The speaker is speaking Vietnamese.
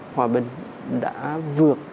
hòa bình đã vượt